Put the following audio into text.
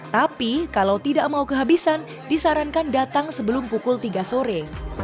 tapi kalau tidak mau kehabisan disarankan datang sebelum pukul tiga sore